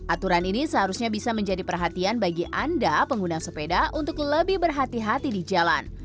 aturan ini seharusnya bisa menjadi perhatian bagi anda pengguna sepeda untuk lebih berhati hati di jalan